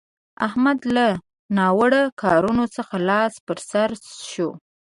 احمد له ناوړه کارونه څخه لاس پر سو شو.